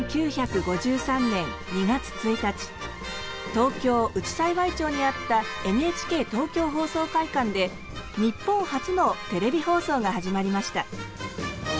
東京・内幸町にあったＮＨＫ東京放送会館で日本初のテレビ放送が始まりました。